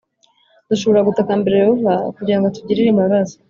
dushobora gutakambira Yehova kugira ngo atugirire imbabazi